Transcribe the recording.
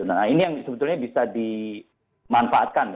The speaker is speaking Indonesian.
nah ini yang sebetulnya bisa dimanfaatkan